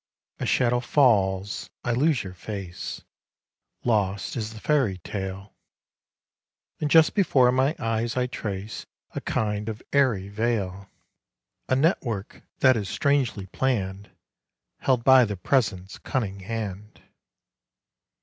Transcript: A shadow falls; I lose your face; Lost is the fairy tale; And just before my eyes I trace A kind of airy veil; A network that is strangely planned, Held by the Present's cunning hand.